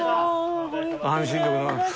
安心でございます。